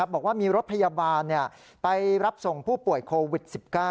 บอกว่ามีรถพยาบาลไปรับส่งผู้ป่วยโควิด๑๙